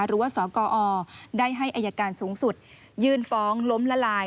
หรือว่าสกอได้ให้อายการสูงสุดยื่นฟ้องล้มละลาย